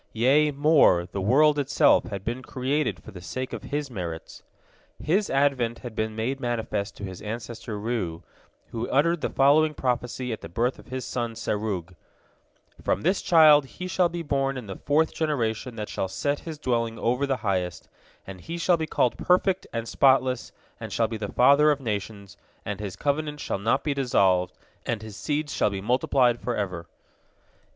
Yea, more, the world itself had been created for the sake of his merits. His advent had been made manifest to his ancestor Reu, who uttered the following prophecy at the birth of his son Serug: "From this child he shall be born in the fourth generation that shall set his dwelling over the highest, and he shall be called perfect and spotless, and shall be the father of nations, and his covenant shall not be dissolved, and his seed shall be multiplied forever."